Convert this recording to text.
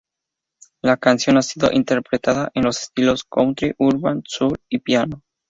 La canción ha sido interpretada en los estilos country, urban, soul y piano.